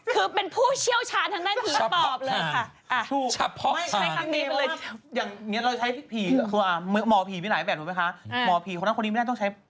คือเป็นผู้เชี่ยวชาญทางด้านผีปอบเลยค่ะ